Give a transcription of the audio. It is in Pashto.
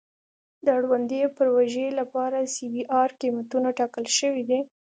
د اړوندې پروژې لپاره سی بي ار قیمتونه ټاکل شوي دي